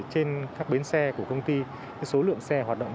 trên các bến xe của công ty số lượng xe hoạt động